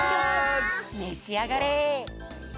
めしあがれ。